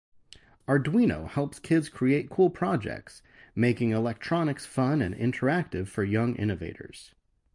Arduino helps kids create cool projects, making electronics fun and interactive for young innovators.